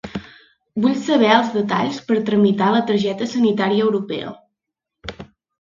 Vull saber els detalls per tramitar la targeta sanitaria europea.